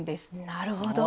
なるほど。